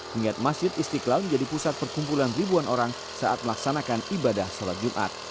hingga masjid istiqlal menjadi pusat perkumpulan ribuan orang saat melaksanakan ibadah sholat jumat